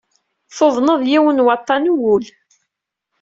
Tuḍneḍ yiwen waṭṭan n wul.